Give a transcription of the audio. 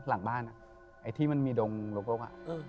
หลังบ้านอะไอที่มันมีโดงละกก่อน